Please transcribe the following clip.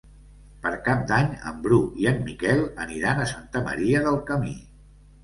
Per Cap d'Any en Bru i en Miquel aniran a Santa Maria del Camí.